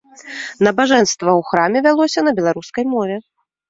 Набажэнства ў храме вялося на беларускай мове.